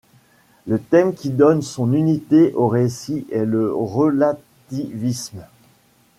Le thème qui donne son unité au récit est le relativisme.